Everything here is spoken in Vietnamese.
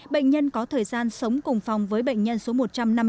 bệnh nhân có thời gian sống cùng phòng với bệnh nhân số một trăm năm mươi bốn